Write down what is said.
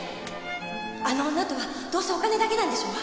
あの女とはどうせお金だけなんでしょ？